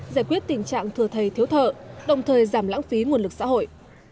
giải quyết tình trạng thừa thầy thiếu thợ đồng thời giảm lãng phí nguồn lực xã hội